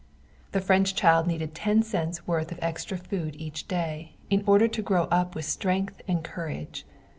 The French child needed ten cents worth of extra food each day, in order to grow up with strength and courage.